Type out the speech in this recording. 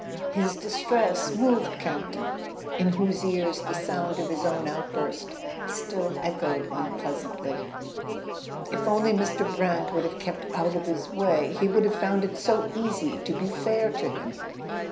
His distress moved Campton, in whose ears the sound of his own outburst still echoed unpleasantly. If only Mr. Brant would have kept out of his way he would have found it so easy to be fair to him!